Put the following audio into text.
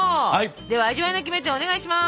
では味わいのキメテをお願いします。